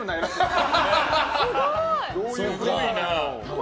すごいな。